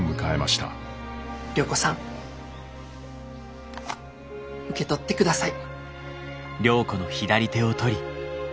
良子さん受け取ってください。